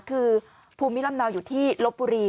คือภูมิลำเนาอยู่ที่ลบบุรี